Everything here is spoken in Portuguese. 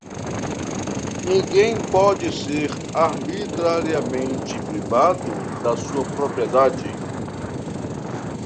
Ninguém pode ser arbitrariamente privado da sua propriedade.